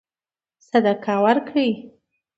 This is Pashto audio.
صدقه ورکړي.